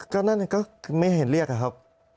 ก็นั่นก็คือไม่เห็นเรียกอะครับ